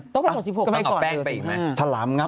๑๖๖ต้องเอาแป้งไปอีกไหม